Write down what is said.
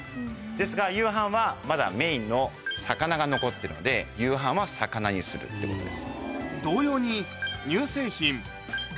ですが夕飯はまだメインの魚が残ってるので夕飯は魚にするってことです。